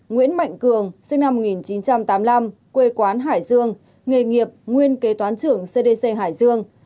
nguyễn mạnh cường sinh năm một nghìn chín trăm tám mươi năm quê quán hải dương nghề nghiệp nguyên kế toán trưởng cdc hải dương